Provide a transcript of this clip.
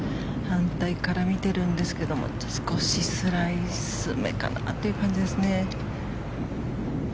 反対から見てるんですけど少しスライスめかなという感じですね。